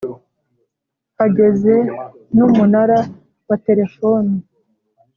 hageze n’umunara wa telefoni.